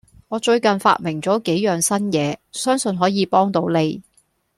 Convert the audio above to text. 我最近發明咗幾樣新嘢，相信可以幫到你